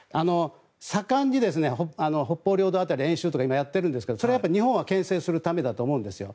盛んに北方領土辺り演習とかを今、やってるんですが日本をけん制するためなんですよ。